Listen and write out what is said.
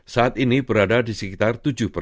saat ini berada di sekitar